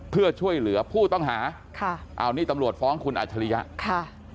เพื่อช่วยเหลือผู้ต้องหาค่ะเอานี่ตำรวจฟ้องคุณอัจฉริยะค่ะ